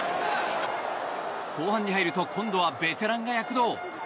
後半に入ると今度はベテランが躍動。